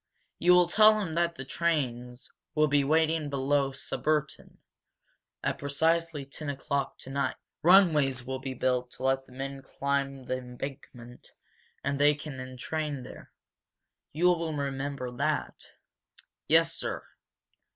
You will tell him that trains will be waiting below Surbiton, at precisely ten o'clock tonight. Runways will be built to let the men climb the embankment, and they can entrain there. You will remember that?" "Yes, sir."